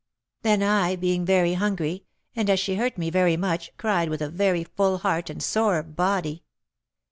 Then I, being very hungry, and as she hurt me very much, cried with a very full heart and sore body.